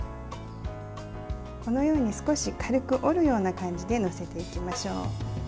このように少し軽く折るような感じで載せていきましょう。